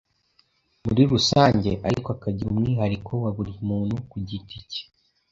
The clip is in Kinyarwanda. muri rusange ariko akagira umwihariko wa buri muntu ku igiti cye.